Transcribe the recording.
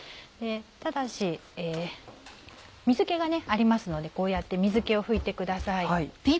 ただし水気がありますのでこうやって水気を拭いてください。